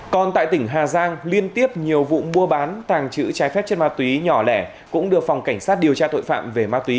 còn tại tỉnh hà giang liên tiếp nhiều vụ mua bán tàng trữ trái phép chất ma túy nhỏ lẻ cũng được phòng cảnh sát điều tra tội phạm về ma túy